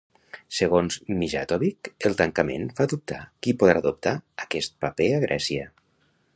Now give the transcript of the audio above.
Segons Mijatovic, el tancament fa dubtar qui podrà adoptar aquest paper a Grècia.